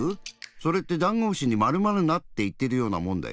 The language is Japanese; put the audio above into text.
それってダンゴムシにまるまるなっていってるようなもんだよ。